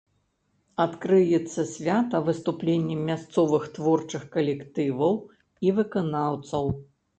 Адкрыецца свята выступленнем мясцовых творчых калектываў і выканаўцаў.